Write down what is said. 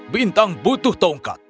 bintang butuh tongkat